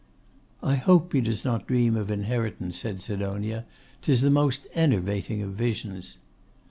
'I hope he does not dream of inheritance,' said Sidonia. ''Tis the most enervating of visions.